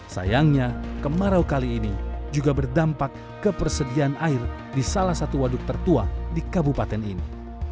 sayangnya kemarau kali ini juga berdampak ke persediaan air di salah satu waduk tertua di kabupaten ini